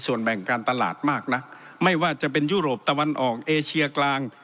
ส่วนแบ่งการตลาดมากนักไม่ว่าจะเป็นยุโรปตะวันออกเอเชียกลาง